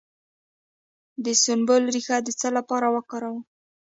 د سنبل ریښه د څه لپاره وکاروم؟